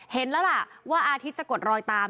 เห็นแล้วล่ะว่าอาทิตย์จะกดรอยตาม